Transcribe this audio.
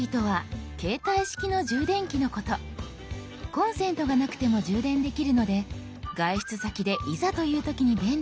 コンセントがなくても充電できるので外出先でいざという時に便利です。